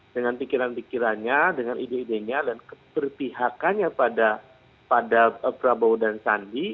dengan pikiran pikirannya dengan ide idenya dan keberpihakannya pada prabowo dan sandi